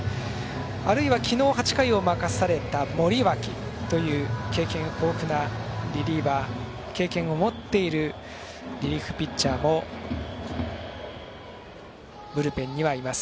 あるいは、昨日８回を任された森脇という経験豊富なリリーバー、経験を持っているリリーフピッチャーもブルペンにはいます。